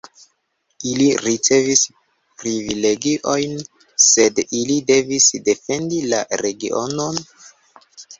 Ili ricevis privilegiojn, sed ili devis defendi la regionon.